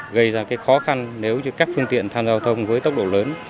gây ra khó khăn nếu như các phương tiện tham giao thông với tốc độ lớn